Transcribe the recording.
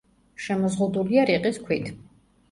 შემოზღუდულია რიყის ქვით.